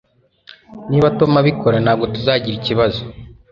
Niba Tom abikora, ntabwo tuzagira ikibazo.